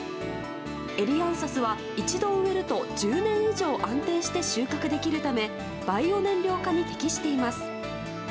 エリアンサスは一度植えると１０年以上安定して収穫できるためバイオ燃料化に適しています。